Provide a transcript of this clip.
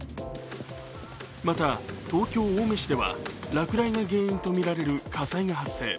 また、東京・青梅市では、落雷が原因とみられる火災が発生。